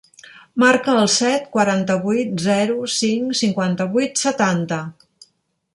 Marca el set, quaranta-vuit, zero, cinc, cinquanta-vuit, setanta.